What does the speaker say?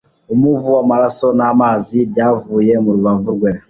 umuvu w'amaraso n'amazi byavuye mu rubavu rwe